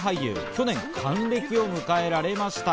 去年、還暦を迎えられました。